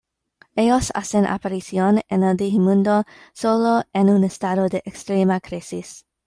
Ellos hacen aparición en el Digimundo solo en un estado de extrema crisis.